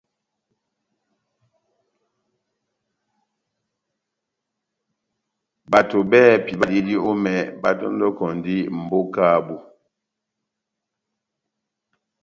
Bato bɛ́hɛ́pi badiyidi omɛ batɔndɔkɔndi mbóka yabu.